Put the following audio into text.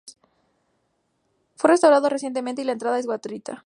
Fue restaurado recientemente y la entrada es gratuita.